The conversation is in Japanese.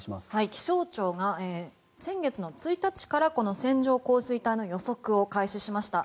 気象庁が先月１日からこの線状降水帯の予測を開始しました。